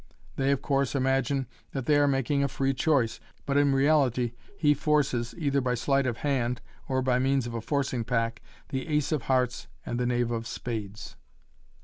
They, of course, imagine that they are making a free choice, but in reality he forces (either by sleight of hand, or by means of a forcing pack) the ace of hearts and the knave of spades.